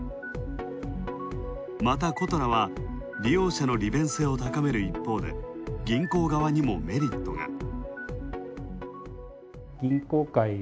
また、ことらは利用者の利便性を高める一方で、銀行側にもメリットが。